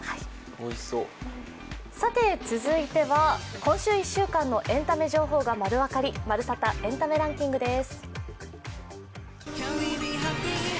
続いては今週１週間のエンタメ情報が丸わかり「まるサタ！エンタメランキング」です。